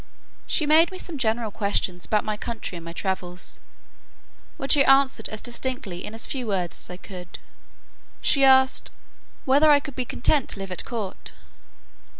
She made me some general questions about my country and my travels, which I answered as distinctly, and in as few words as I could. She asked, "whether I could be content to live at court?"